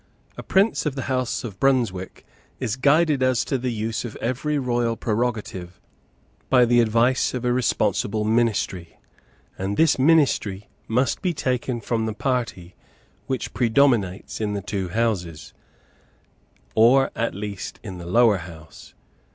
A prince of the House of Brunswick is guided, as to the use of every royal prerogative, by the advice of a responsible ministry; and this ministry must be taken from the party which predominates in the two Houses, or, at least, in the Lower House.